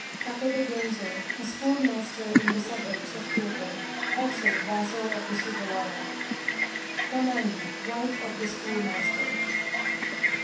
TAKEBE GENZO, a schoolmaster in the suburbs of Kyoto, also vassal of the Sugawara. TONAMI, wife of the schoolmaster.